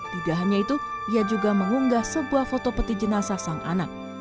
tidak hanya itu ia juga mengunggah sebuah foto peti jenazah sang anak